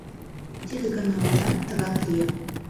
Тиде ганаланат тыгак лие.